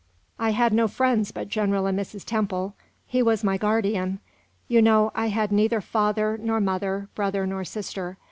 "I had no friends but General and Mrs. Temple; he was my guardian. You know, I had neither father nor mother, brother nor sister.